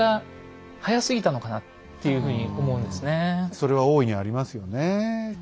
それは大いにありますよね。